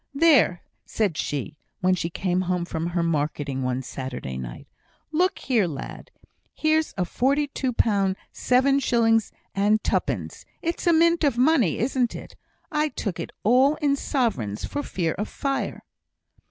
"There!" said she, when she came home from her marketing one Saturday night, "look here, lad! Here's forty two pound, seven shillings, and twopence! It's a mint of money, isn't it? I took it all in sovereigns for fear of fire."